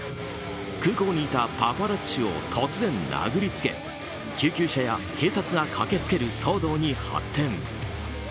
空港にいたパパラッチを突然殴りつけ救急車や警察が駆けつける騒動に発展。